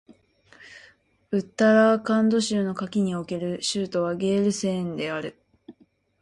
ウッタラーカンド州の夏季における州都はゲールセーンである